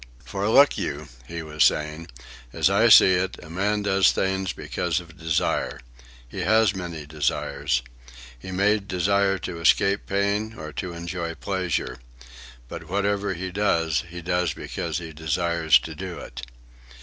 "For look you," he was saying, "as I see it, a man does things because of desire. He has many desires. He may desire to escape pain, or to enjoy pleasure. But whatever he does, he does because he desires to do it."